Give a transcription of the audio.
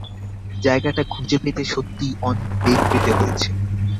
জায়গাটা খুঁজে পেতে সত্যিই অনেক বেগ পেতে হয়েছে।